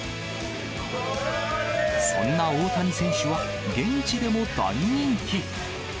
そんな大谷選手は、現地でも大人気。